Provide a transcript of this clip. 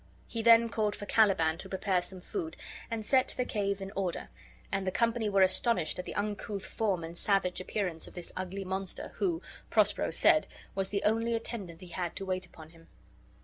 He then called for Caliban to prepare some food, and set the cave in order; and the company were astonished at the uncouth form and savage appearance of this ugly monster, who (Prospero said) was the only attendant he had to wait upon him.